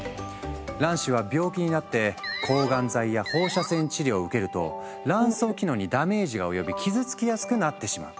卵子は病気になって抗がん剤や放射線治療を受けると卵巣機能にダメージが及び傷つきやすくなってしまう。